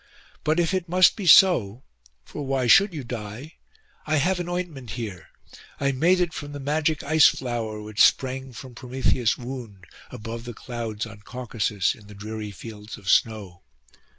But if it must be so—for why should you die?—I have an ointment here; I made it from the magic ice flower which sprang from Prometheus' wound, above the clouds on Caucasus, in the dreary fields of snow.